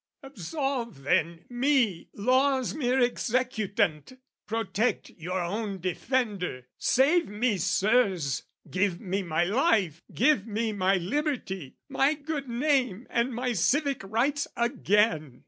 Absolve, then, me, law's mere executant! Protect your own defender, save me, Sirs! Give me my life, give me my liberty, My good name and my civic rights again!